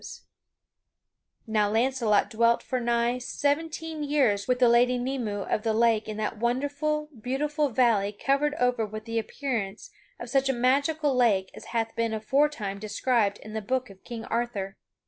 [Sidenote: How Launcelot dwelt in the lake] Now Launcelot dwelt for nigh seventeen years with the Lady Nymue of the Lake in that wonderful, beautiful valley covered over with the appearance of such a magical lake as hath been aforetime described in the Book of King Arthur.